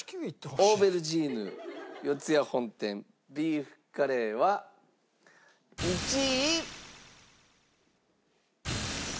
オーベルジーヌ四谷本店ビーフカレーは１位。